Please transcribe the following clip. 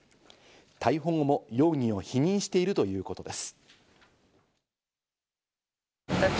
逮捕後も容疑を否認しているということです。